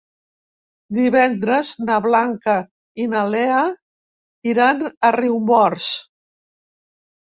Divendres na Blanca i na Lea iran a Riumors.